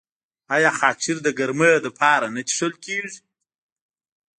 آیا خاکشیر د ګرمۍ لپاره نه څښل کیږي؟